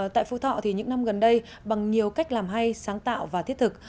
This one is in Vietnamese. tại phú thọ thì những năm gần đây bằng nhiều cách làm hay sáng tạo và thiết thực